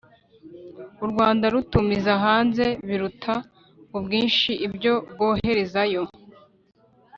u rwanda rutumiza hanze biruta ubwinshi ibyo rwoherezayo.